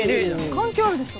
関係あるでしょ。